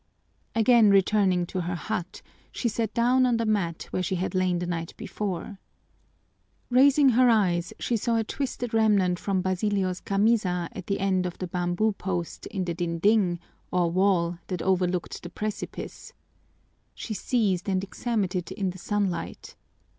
Again returning to her hut, she sat down on the mat where she had lain the night before. Raising her eyes, she saw a twisted remnant from Basilio's camisa at the end of the bamboo post in the dinding, or wall, that overlooked the precipice. She seized and examined it in the sunlight.